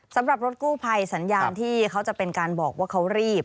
สำหรับรถกู้ภัยสัญญาณที่เขาจะเป็นการบอกว่าเขารีบ